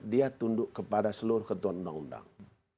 dia tunduk kepada seluruh ketua undang undang